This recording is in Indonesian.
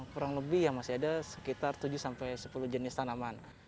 kurang lebih masih ada sekitar tujuh sepuluh jenis tanaman